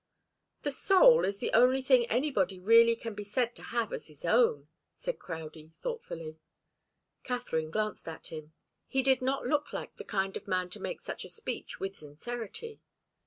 "The soul is the only thing anybody really can be said to have as his own," said Crowdie, thoughtfully. Katharine glanced at him. He did not look like the kind of man to make such a speech with sincerity.